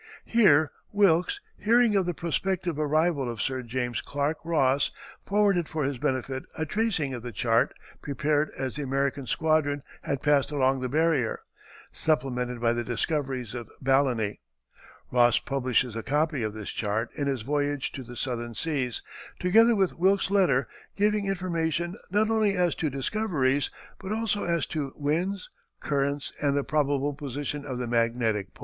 Here Wilkes, hearing of the prospective arrival of Sir James Clark Ross, forwarded for his benefit a tracing of the chart prepared as the American squadron had passed along the barrier, supplemented by the discoveries of Balleny. Ross publishes a copy of this chart in his "Voyage to the Southern Seas," together with Wilkes's letter, giving information not only as to discoveries, but also as to winds, currents, and the probable position of the magnetic pole.